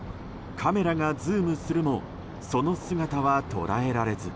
カメラがズームするもその姿は捉えられず。